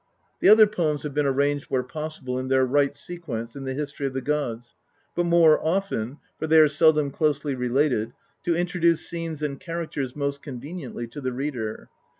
The other poems have been arranged where possible in their right sequence in the history of the gods, but more often, for they are seldom closely related, to introduce scenes and characters most conveniently to the reader.